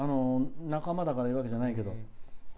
仲間だから言うわけじゃないけど。